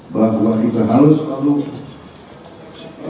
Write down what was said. bahwa kita harus penuh